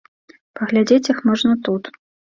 Паглядзець іх можна тут.